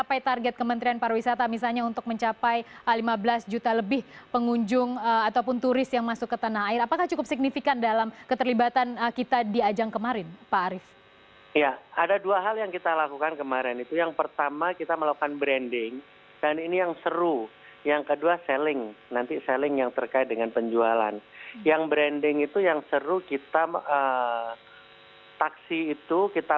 pada dua ribu tujuh belas kementerian parwisata menetapkan target lima belas juta wisatawan mancanegara yang diharapkan dapat menyumbang devisa sebesar empat belas sembilan miliar dolar amerika